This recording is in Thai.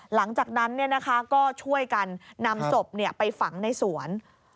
หลังจากนั้นก็ช่วยกันนำศพไปฝังในสวน